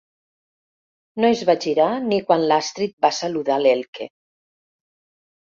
No es va girar ni quan l'Astrid va saludar l'Elke.